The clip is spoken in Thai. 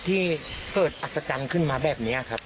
ที่เกิดอัศจรรย์ขึ้นมาแบบนี้ครับ